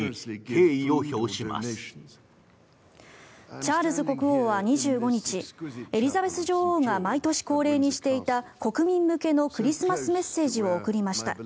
チャールズ国王は２５日エリザベス女王が毎年恒例にしていた国民向けのクリスマスメッセージを送りました。